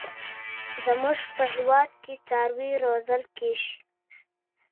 سیمینار ته د سلو شاوخوا مقالې استول شوې وې.